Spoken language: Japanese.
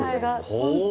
本当。